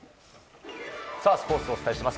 スポーツをお伝えします。